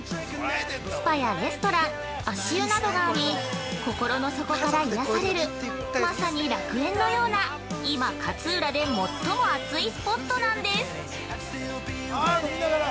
スパやレストラン足湯などがあり心の底から癒やされるまさに楽園のような今勝浦で最も熱いスポットなんです。